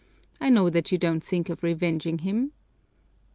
I know that you don't think of revenging him."